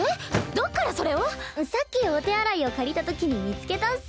どっからそれを⁉さっきお手洗いを借りたときに見つけたっス。